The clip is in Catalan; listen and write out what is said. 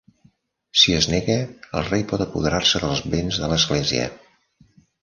Si es nega, el rei pot apoderar-se dels béns de l'Església.